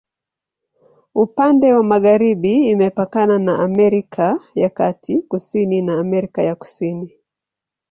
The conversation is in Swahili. Upande wa magharibi imepakana na Amerika ya Kati, kusini na Amerika ya Kusini.